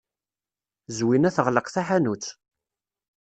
Zwina teɣleq taḥanut.